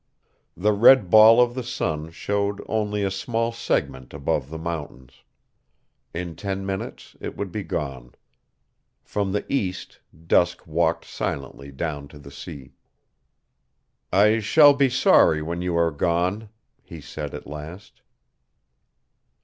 The red ball of the sun showed only a small segment above the mountains. In ten minutes it would be gone. From the east dusk walked silently down to the sea. "I shall be sorry when you are gone," he said at last.